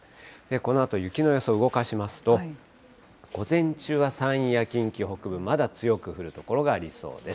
このあと雪の予想動かしますと、午前中は山陰や近畿北部、まだ強く降る所がありそうです。